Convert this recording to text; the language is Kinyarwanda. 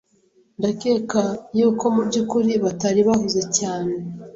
Ndakeka yuko mubyukuri batari bahuze cyane.